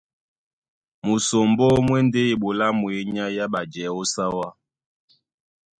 Musombó mú e ndé eɓoló á mwěnyá yá ɓajɛɛ̌ ó sáwá.